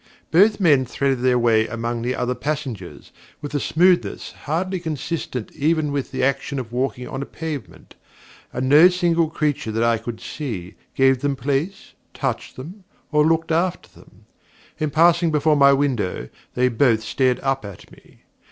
Both men threaded their way among the other passengers, with a smoothness hardly consistent even with the action of walking on a pavement, and no single creature that I could see, gave them place, touched them, or looked after them. In passing before my windows, they both stared up at me.